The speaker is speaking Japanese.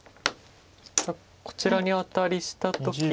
こちらにアタリした時に